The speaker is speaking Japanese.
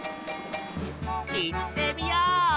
いってみよう！